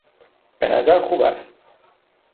به نظر خوب است.